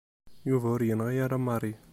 Yuba ur yenɣi ara Mary.